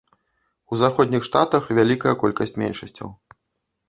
У заходніх штатах вяліка колькасць меншасцяў.